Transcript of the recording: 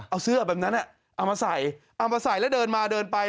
เอาเสื้อแบบนั้นเอามาใส่เอามาใส่แล้วเดินมาเดินไป